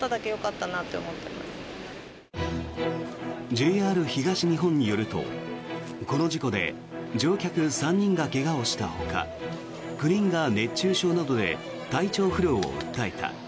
ＪＲ東日本によるとこの事故で乗客３人が怪我をしたほか９人が熱中症などで体調不良を訴えた。